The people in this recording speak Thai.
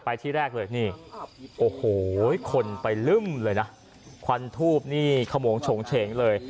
ที่แรกเลยนี่โอ้โหคนไปลึ่มเลยนะควันทูบนี่ขโมงโฉงเฉงเลย